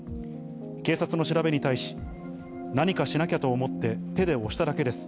警察の調べに対し、何かしなきゃと思って手で押しただけです。